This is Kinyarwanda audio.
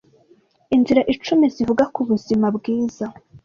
inzira icumi zivuga ku Ubuzima bwiza